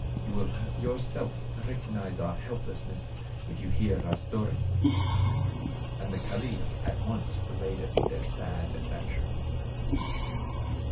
You will yourself recognize our helplessness if you hear our story/' And the caliph at once related their sad adventure.